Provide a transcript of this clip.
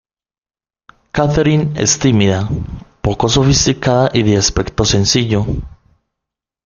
Catherine es tímida, poco sofisticada y de aspecto sencillo.